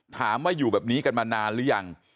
ถามว่าอยู่แบบนี้กันมานานหรือยัง